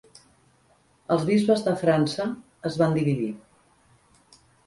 Els bisbes de França es van dividir.